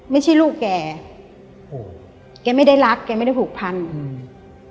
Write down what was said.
ไม่ใช่ลูกแกโอ้โหแกไม่ได้รักแกไม่ได้ผูกพันอืม